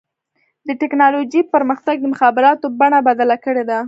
د ټکنالوجۍ پرمختګ د مخابراتو بڼه بدله کړې ده.